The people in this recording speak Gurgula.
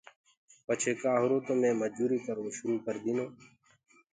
پڇي ڪآ هُرو تو مي مجدٚري ڪروو شروٚ ڪر ديٚنو۔